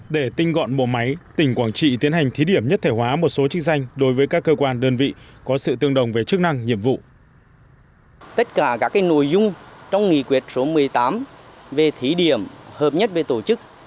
để tinh gọn bộ máy tỉnh quảng trị tiến hành thí điểm nhất thể hóa một số chức danh đối với các cơ quan đơn vị có sự tương đồng về chức năng nhiệm vụ